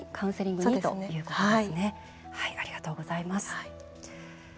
ありがとうございます。